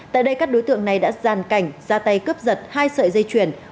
tại đây các đối tượng này đã gian cảnh ra tay cướp giật hai sợi dây chuyển